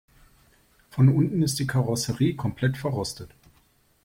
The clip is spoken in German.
Von unten ist die Karosserie komplett verrostet.